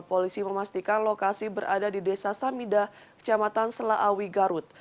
polisi memastikan lokasi berada di desa samida kecamatan selaawi garut